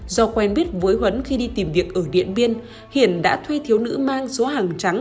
do quen biết với huấn khi đi tìm việc ở điện biên hiển đã thuê thiếu nữ mang số hàng trắng